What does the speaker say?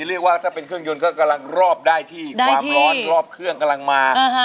เรียกว่าถ้าเป็นเครื่องยนต์ก็กำลังรอบได้ที่ความร้อนรอบเครื่องกำลังมา